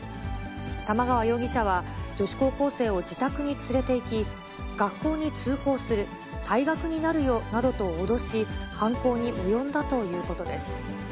玉川容疑者は、女子高校生を自宅に連れていき、学校に通報する、退学になるよなどと脅し、犯行に及んだということです。